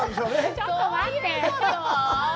ちょっと待って。